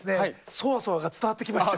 ソワソワが伝わってきました。